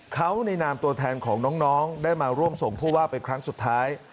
เขาในนามตัวแทนของน้องได้มาร่วมส่งผู้ว่าเป็นครั้งสุดท้าย